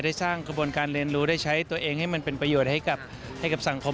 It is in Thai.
ได้สร้างกระบวนการเรียนรู้ได้ใช้ตัวเองให้มันเป็นประโยชน์ให้กับสังคม